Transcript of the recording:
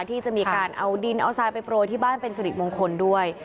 ที่จะมีการเอาดินเอาทรายไปโปรยที่บ้านเป็นสิริมงคลด้วย